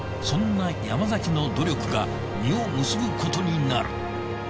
そんな山崎の努力が実を結ぶことになる。